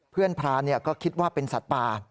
เพื่อนพรานี่ก็คิดว่าเป็นสัตว์ป่า